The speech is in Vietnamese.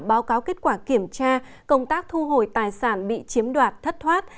báo cáo kết quả kiểm tra công tác thu hồi tài sản bị chiếm đoạt thất thoát